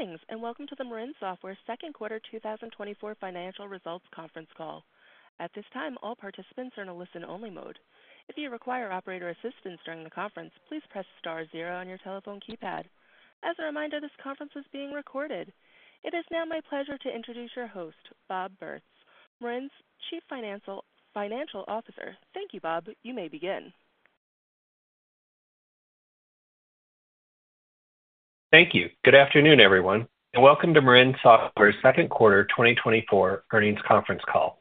Greetings, and welcome to the Marin Software Q2 2024 Financial Results Conference Call. At this time, all participants are in a listen-only mode. If you require operator assistance during the conference, please press star zero on your telephone keypad. As a reminder, this conference is being recorded. It is now my pleasure to introduce your host, Bob Bertz, Marin's Chief Financial Officer. Thank you, Bob. You may begin. Thank you. Good afternoon, everyone, and welcome to Marin Software Q2 2024 Earnings Conference Call.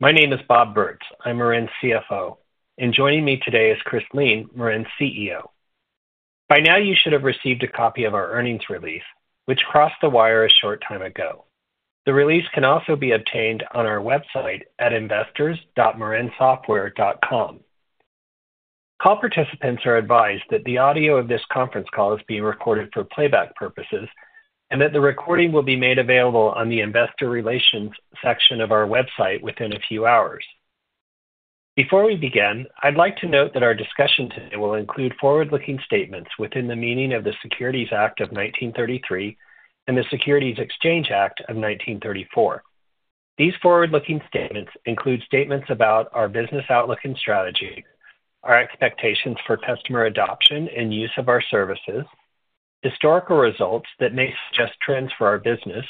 My name is Bob Bertz. I'm Marin's CFO, and joining me today is Chris Lien, Marin's CEO. By now, you should have received a copy of our earnings release, which crossed the wire a short time ago. The release can also be obtained on our website at investors.marinsoftware.com. Call participants are advised that the audio of this conference call is being recorded for playback purposes and that the recording will be made available on the Investor Relations section of our website within a few hours. Before we begin, I'd like to note that our discussion today will include forward-looking statements within the meaning of the Securities Act of 1933 and the Securities Exchange Act of 1934. These forward-looking statements include statements about our business outlook and strategy, our expectations for customer adoption and use of our services, historical results that may suggest trends for our business,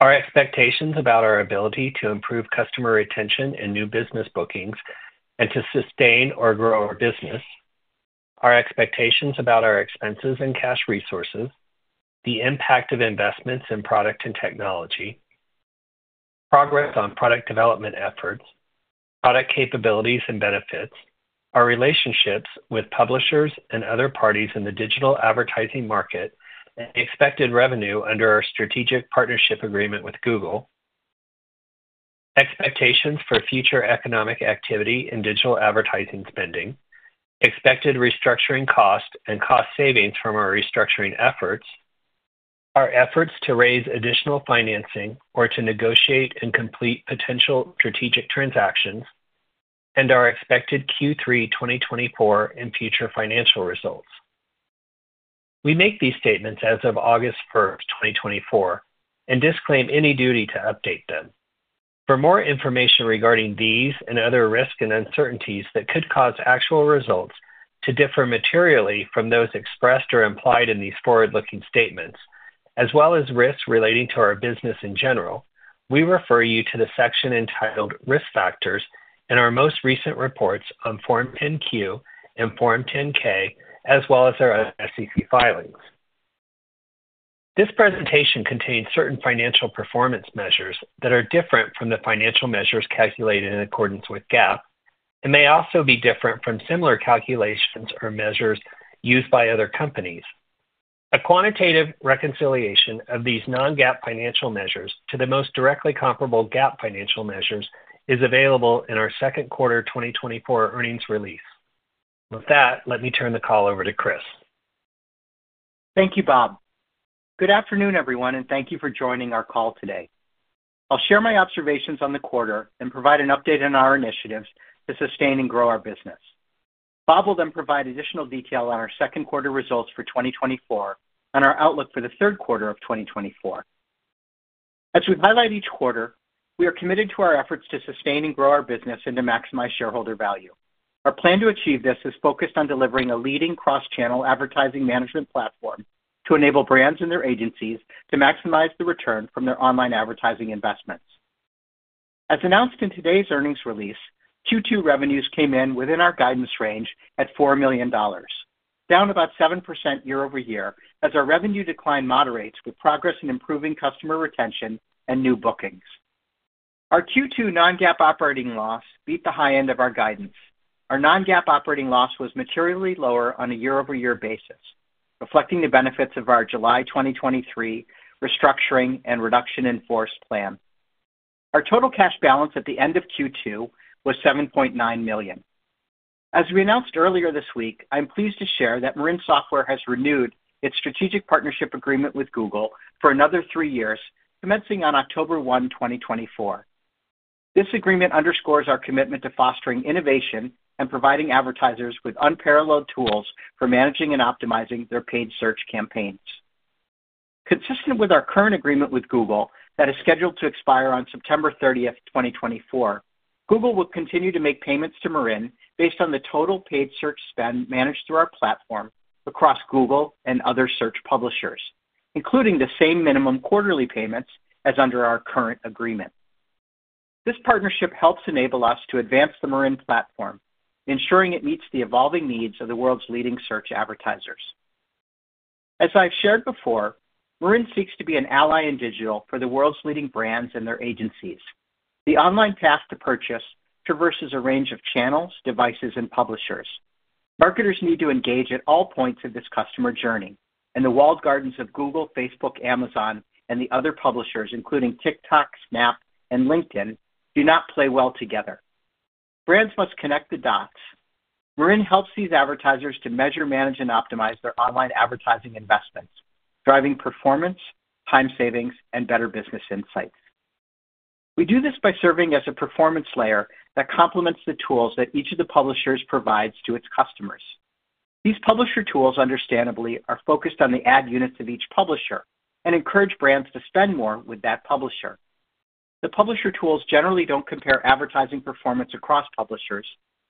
our expectations about our ability to improve customer retention and new business bookings and to sustain or grow our business, our expectations about our expenses and cash resources, the impact of investments in product and technology, progress on product development efforts, product capabilities and benefits, our relationships with publishers and other parties in the digital advertising market, and expected revenue under our strategic partnership agreement with Google, expectations for future economic activity and digital advertising spending, expected restructuring cost and cost savings from our restructuring efforts, our efforts to raise additional financing or to negotiate and complete potential strategic transactions, and our expected Q3 2024 and future financial results. We make these statements as of August 1, 2024, and disclaim any duty to update them. For more information regarding these and other risks and uncertainties that could cause actual results to differ materially from those expressed or implied in these forward-looking statements, as well as risks relating to our business in general, we refer you to the section entitled Risk Factors in our most recent reports on Form 10-Q and Form 10-K, as well as our SEC filings. This presentation contains certain financial performance measures that are different from the financial measures calculated in accordance with GAAP and may also be different from similar calculations or measures used by other companies. A quantitative reconciliation of these non-GAAP financial measures to the most directly comparable GAAP financial measures is available in our Q2 2024 earnings release. With that, let me turn the call over to Chris. Thank you, Bob. Good afternoon, everyone, and thank you for joining our call today. I'll share my observations on the quarter and provide an update on our initiatives to sustain and grow our business. Bob will then provide additional detail on our Q2 results for 2024 and our outlook for the Q3 of 2024. As we highlight each quarter, we are committed to our efforts to sustain and grow our business and to maximize shareholder value. Our plan to achieve this is focused on delivering a leading cross-channel advertising management platform to enable brands and their agencies to maximize the return from their online advertising investments. As announced in today's earnings release, Q2 revenues came in within our guidance range at $4 million, down about 7% year-over-year as our revenue decline moderates with progress in improving customer retention and new bookings. Our Q2 non-GAAP operating loss beat the high end of our guidance. Our non-GAAP operating loss was materially lower on a year-over-year basis, reflecting the benefits of our July 2023 restructuring and reduction-in-force plan. Our total cash balance at the end of Q2 was $7.9 million. As we announced earlier this week, I'm pleased to share that Marin Software has renewed its strategic partnership agreement with Google for another three years, commencing on October 1, 2024. This agreement underscores our commitment to fostering innovation and providing advertisers with unparalleled tools for managing and optimizing their paid search campaigns. Consistent with our current agreement with Google that is scheduled to expire on September 30, 2024, Google will continue to make payments to Marin based on the total paid search spend managed through our platform across Google and other search publishers, including the same minimum quarterly payments as under our current agreement. This partnership helps enable us to advance the Marin platform, ensuring it meets the evolving needs of the world's leading search advertisers. As I've shared before, Marin seeks to be an ally in digital for the world's leading brands and their agencies. The online path to purchase traverses a range of channels, devices, and publishers. Marketers need to engage at all points of this customer journey, and the walled gardens of Google, Facebook, Amazon, and the other publishers, including TikTok, Snap, and LinkedIn, do not play well together. Brands must connect the dots. Marin helps these advertisers to measure, manage, and optimize their online advertising investments, driving performance, time savings, and better business insights. We do this by serving as a performance layer that complements the tools that each of the publishers provides to its customers. These publisher tools, understandably, are focused on the ad units of each publisher and encourage brands to spend more with that publisher. The publisher tools generally don't compare advertising performance across publishers,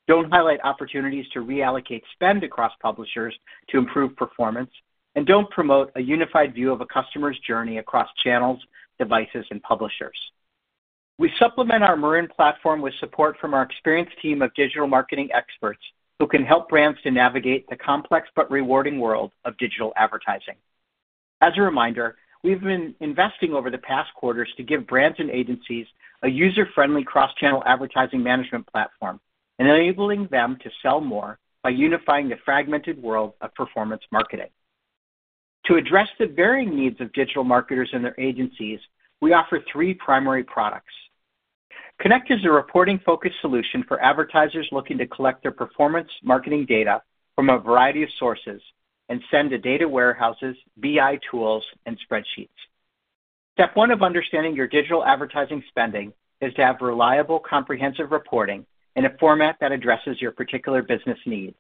don't highlight opportunities to reallocate spend across publishers to improve performance, and don't promote a unified view of a customer's journey across channels, devices, and publishers. We supplement our Marin platform with support from our experienced team of digital marketing experts who can help brands to navigate the complex but rewarding world of digital advertising. As a reminder, we've been investing over the past quarters to give brands and agencies a user-friendly cross-channel advertising management platform and enabling them to sell more by unifying the fragmented world of performance marketing. To address the varying needs of digital marketers and their agencies, we offer three primary products. Connect is a reporting-focused solution for advertisers looking to collect their performance marketing data from a variety of sources and send to data warehouses, BI tools, and spreadsheets. Step one of understanding your digital advertising spending is to have reliable, comprehensive reporting in a format that addresses your particular business needs.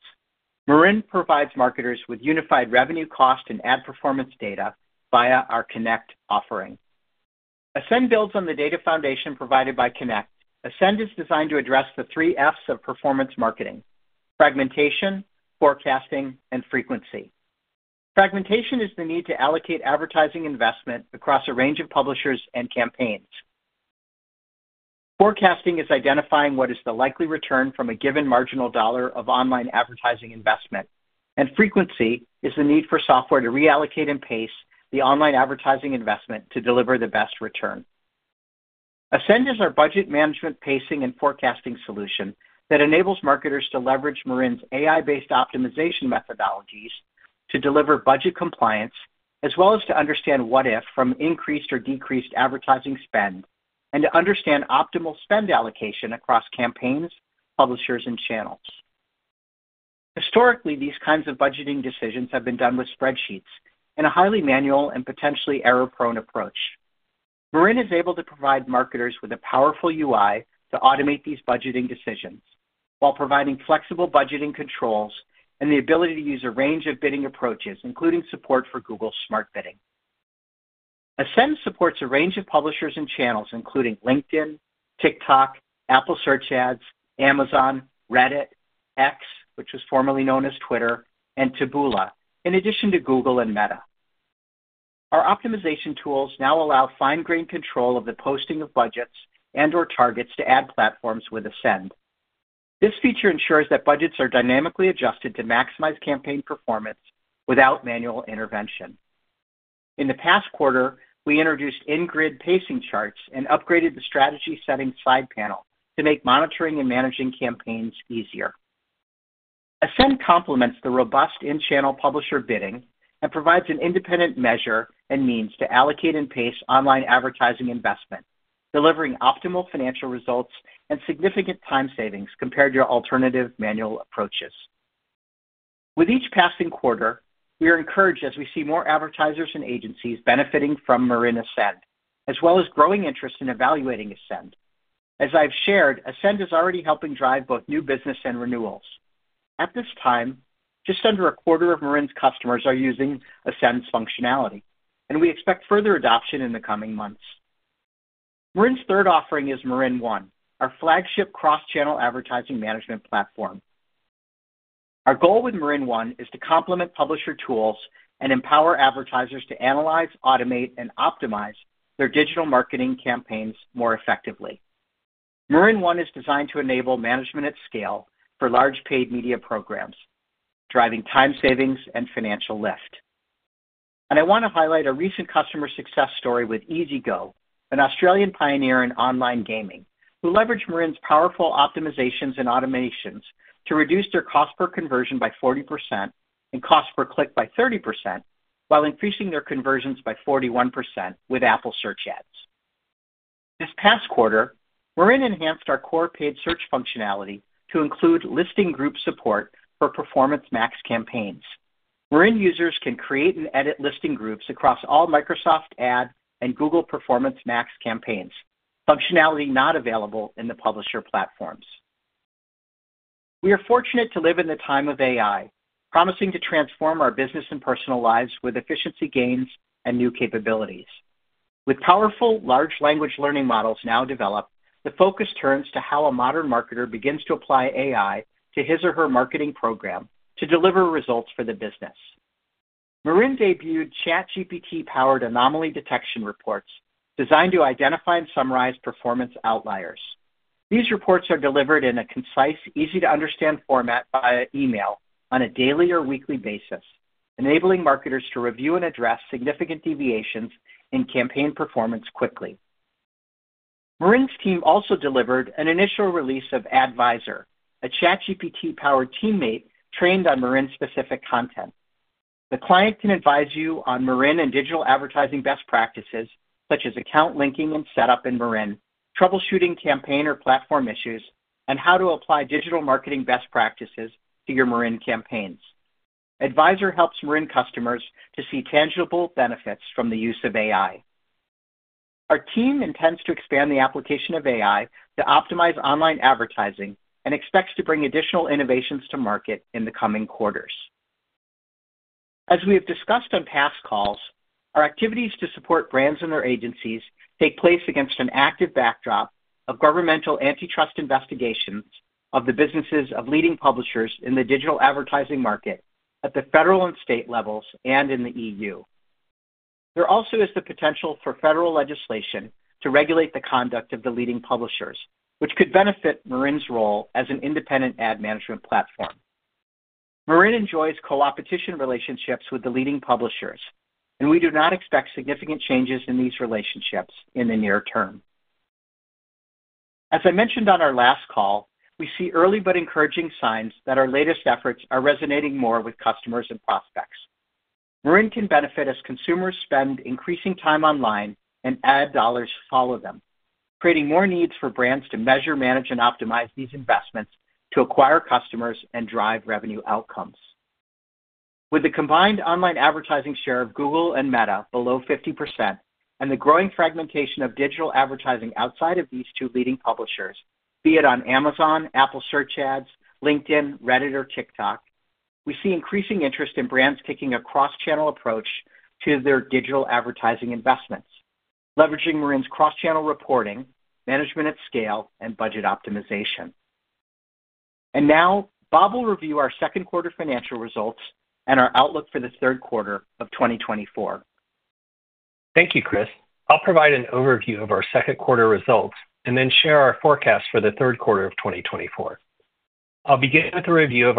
Marin provides marketers with unified revenue, cost, and ad performance data via our Connect offering. Ascend builds on the data foundation provided by Connect. Ascend is designed to address the three F's of performance marketing: fragmentation, forecasting, and frequency. Fragmentation is the need to allocate advertising investment across a range of publishers and campaigns. Forecasting is identifying what is the likely return from a given marginal dollar of online advertising investment, and frequency is the need for software to reallocate and pace the online advertising investment to deliver the best return. Ascend is our budget management pacing and forecasting solution that enables marketers to leverage Marin's AI-based optimization methodologies to deliver budget compliance, as well as to understand what-if from increased or decreased advertising spend and to understand optimal spend allocation across campaigns, publishers, and channels. Historically, these kinds of budgeting decisions have been done with spreadsheets in a highly manual and potentially error-prone approach. Marin is able to provide marketers with a powerful UI to automate these budgeting decisions while providing flexible budgeting controls and the ability to use a range of bidding approaches, including support for Google Smart Bidding. Ascend supports a range of publishers and channels, including LinkedIn, TikTok, Apple Search Ads, Amazon, Reddit, X, which was formerly known as Twitter, and Taboola, in addition to Google and Meta. Our optimization tools now allow fine-grained control of the posting of budgets and/or targets to ad platforms with Ascend. This feature ensures that budgets are dynamically adjusted to maximize campaign performance without manual intervention. In the past quarter, we introduced in-grid pacing charts and upgraded the strategy setting side panel to make monitoring and managing campaigns easier. Ascend complements the robust in-channel publisher bidding and provides an independent measure and means to allocate and pace online advertising investment, delivering optimal financial results and significant time savings compared to alternative manual approaches. With each passing quarter, we are encouraged as we see more advertisers and agencies benefiting from Marin Ascend, as well as growing interest in evaluating Ascend. As I've shared, Ascend is already helping drive both new business and renewals. At this time, just under a quarter of Marin's customers are using Ascend's functionality, and we expect further adoption in the coming months. Marin's third offering is MarinOne, our flagship cross-channel advertising management platform. Our goal with MarinOne is to complement publisher tools and empower advertisers to analyze, automate, and optimize their digital marketing campaigns more effectively. MarinOne is designed to enable management at scale for large paid media programs, driving time savings and financial lift. I want to highlight a recent customer success story with Easygo, an Australian pioneer in online gaming, who leveraged Marin's powerful optimizations and automations to reduce their cost per conversion by 40% and cost per click by 30%, while increasing their conversions by 41% with Apple Search Ads. This past quarter, Marin enhanced our core paid search functionality to include listing group support for Performance Max campaigns. Marin users can create and edit listing groups across all Microsoft Ads and Google Performance Max campaigns, functionality not available in the publisher platforms. We are fortunate to live in the time of AI, promising to transform our business and personal lives with efficiency gains and new capabilities. With powerful large language models now developed, the focus turns to how a modern marketer begins to apply AI to his or her marketing program to deliver results for the business. Marin debuted ChatGPT-powered anomaly detection reports designed to identify and summarize performance outliers. These reports are delivered in a concise, easy-to-understand format via email on a daily or weekly basis, enabling marketers to review and address significant deviations in campaign performance quickly. Marin's team also delivered an initial release of Advisor, a ChatGPT-powered teammate trained on Marin-specific content. The client can advise you on Marin and digital advertising best practices, such as account linking and setup in Marin, troubleshooting campaign or platform issues, and how to apply digital marketing best practices to your Marin campaigns. Advisor helps Marin customers to see tangible benefits from the use of AI. Our team intends to expand the application of AI to optimize online advertising and expects to bring additional innovations to market in the coming quarters. As we have discussed on past calls, our activities to support brands and their agencies take place against an active backdrop of governmental antitrust investigations of the businesses of leading publishers in the digital advertising market at the federal and state levels and in the EU. There also is the potential for federal legislation to regulate the conduct of the leading publishers, which could benefit Marin's role as an independent ad management platform. Marin enjoys coopetition relationships with the leading publishers, and we do not expect significant changes in these relationships in the near term. As I mentioned on our last call, we see early but encouraging signs that our latest efforts are resonating more with customers and prospects. Marin can benefit as consumers spend increasing time online and ad dollars follow them, creating more needs for brands to measure, manage, and optimize these investments to acquire customers and drive revenue outcomes. With the combined online advertising share of Google and Meta below 50% and the growing fragmentation of digital advertising outside of these two leading publishers, be it on Amazon, Apple Search Ads, LinkedIn, Reddit, or TikTok, we see increasing interest in brands taking a cross-channel approach to their digital advertising investments, leveraging Marin's cross-channel reporting, management at scale, and budget optimization. And now, Bob will review our Q2 financial results and our outlook for the Q3 of 2024. Thank you, Chris. I'll provide an overview of our Q2 results and then share our forecast for the Q3 of 2024. I'll begin with a review of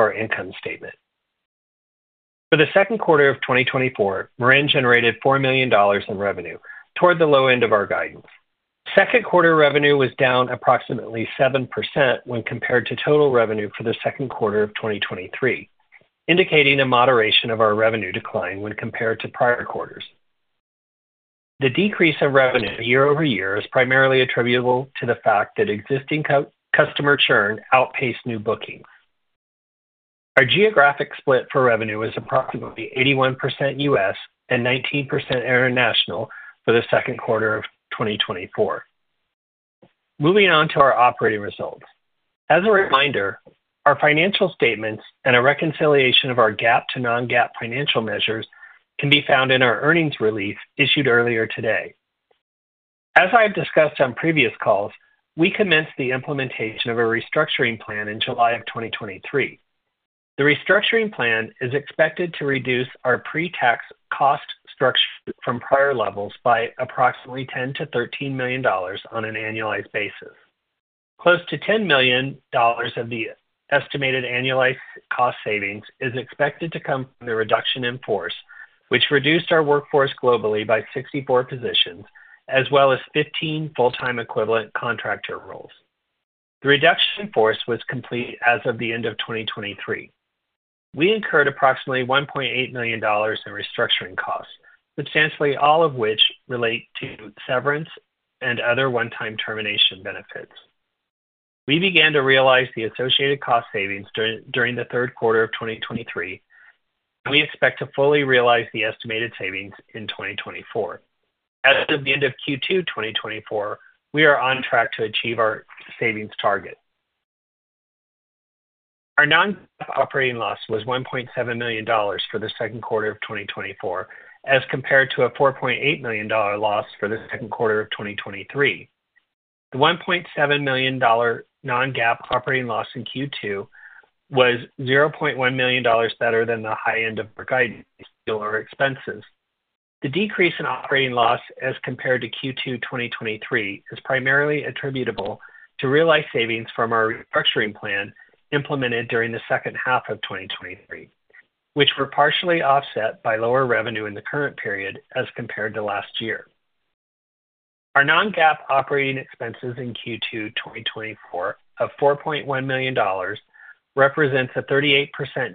our income statement. For the Q2 of 2024, Marin generated $4 million in revenue, toward the low end of our guidance. Q2 revenue was down approximately 7% when compared to total revenue for the Q2 of 2023, indicating a moderation of our revenue decline when compared to prior quarters. The decrease in revenue year-over-year is primarily attributable to the fact that existing customer churn outpaced new bookings. Our geographic split for revenue is approximately 81% U.S. and 19% international for the Q2 of 2024. Moving on to our operating results. As a reminder, our financial statements and a reconciliation of our GAAP to non-GAAP financial measures can be found in our earnings release issued earlier today. As I have discussed on previous calls, we commenced the implementation of a restructuring plan in July of 2023. The restructuring plan is expected to reduce our pre-tax cost structure from prior levels by approximately $10-$13 million on an annualized basis. Close to $10 million of the estimated annualized cost savings is expected to come from the reduction in force, which reduced our workforce globally by 64 positions, as well as 15 full-time equivalent contractor roles. The reduction in force was complete as of the end of 2023. We incurred approximately $1.8 million in restructuring costs, substantially all of which relate to severance and other one-time termination benefits. We began to realize the associated cost savings during the Q3 of 2023, and we expect to fully realize the estimated savings in 2024. As of the end of Q2 2024, we are on track to achieve our savings target. Our non-GAAP operating loss was $1.7 million for the Q2 of 2024, as compared to a $4.8 million loss for the Q2 of 2023. The $1.7 million non-GAAP operating loss in Q2 was $0.1 million better than the high end of our guidance or expenses. The decrease in operating loss as compared to Q2 2023 is primarily attributable to realized savings from our restructuring plan implemented during the second half of 2023, which were partially offset by lower revenue in the current period as compared to last year. Our Non-GAAP operating expenses in Q2 2024 of $4.1 million represents a 38%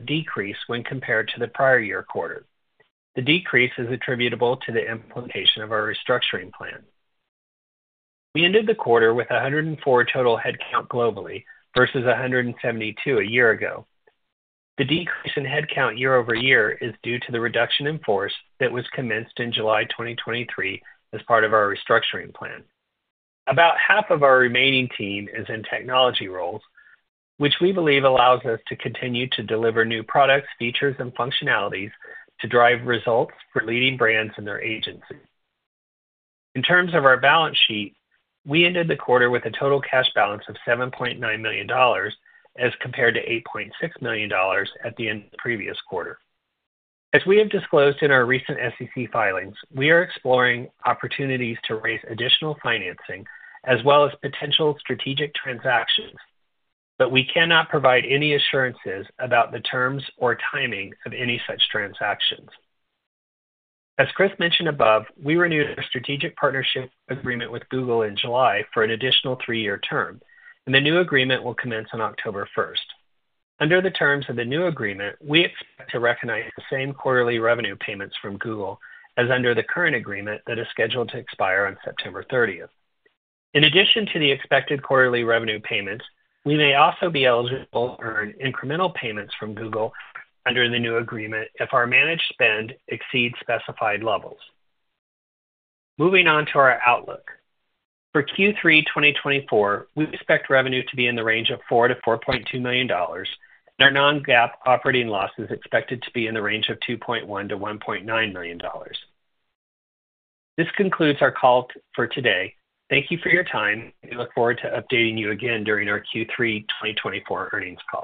decrease when compared to the prior year quarter. The decrease is attributable to the implementation of our restructuring plan. We ended the quarter with 104 total headcount globally versus 172 a year ago. The decrease in headcount year-over-year is due to the reduction in force that was commenced in July 2023 as part of our restructuring plan. About half of our remaining team is in technology roles, which we believe allows us to continue to deliver new products, features, and functionalities to drive results for leading brands and their agencies. In terms of our balance sheet, we ended the quarter with a total cash balance of $7.9 million as compared to $8.6 million at the end of the previous quarter. As we have disclosed in our recent SEC filings, we are exploring opportunities to raise additional financing as well as potential strategic transactions, but we cannot provide any assurances about the terms or timing of any such transactions. As Chris mentioned above, we renewed our strategic partnership agreement with Google in July for an additional three-year term, and the new agreement will commence on October 1st. Under the terms of the new agreement, we expect to recognize the same quarterly revenue payments from Google as under the current agreement that is scheduled to expire on September 30th. In addition to the expected quarterly revenue payments, we may also be eligible to earn incremental payments from Google under the new agreement if our managed spend exceeds specified levels. Moving on to our outlook. For Q3 2024, we expect revenue to be in the range of $4-$4.2 million, and our non-GAAP operating loss is expected to be in the range of $2.1-$1.9 million. This concludes our call for today. Thank you for your time, and we look forward to updating you again during our Q3 2024 earnings call.